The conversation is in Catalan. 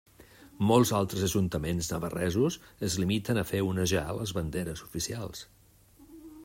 Molts altres ajuntaments navarresos es limiten a fer onejar les banderes oficials.